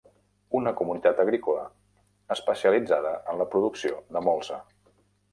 Una comunitat agrícola, especialitzada en la producció de molsa.